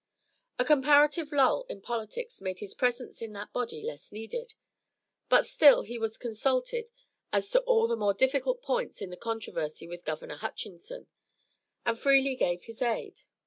A comparative lull in politics made his presence in that body less needed, but still he was consulted as to all the more difficult points in the controversy with Governor Hutchinson, and freely gave his aid.